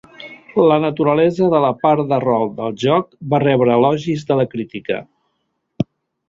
La naturalesa de la part de rol del joc va rebre elogis de la crítica.